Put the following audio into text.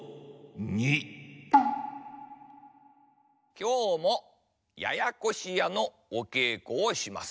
きょうも「ややこしや」のおけいこをします。